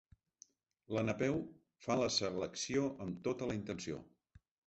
La Napeu fa la selecció amb tota la intenció.